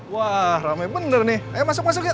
wah ramai bener nih ayo masuk masuk yuk